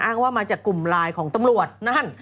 ว่ามาจากกลุ่มไลน์ของตำรวจนั่น